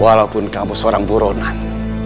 walaupun kamu seorang buronan